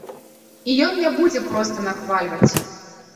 І ён не будзе проста нахвальваць.